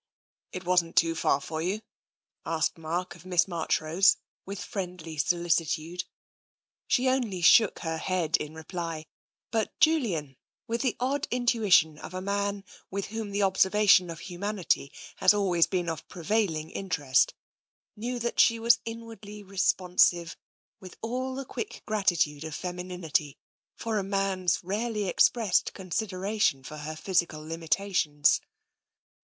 " It wasn't too far for you? " asked Mark of Miss Marchrose, with friendly solicitude. She only shook her head in reply, but Julian, with the odd intuition of a man with whom the observation of humanity has always been of prevailing interest, TENSION 103 knew that sh0 was inwardly responsive with all the quick gratitude of femininity for a man's rarely ex pressed consideration for her physical limitations.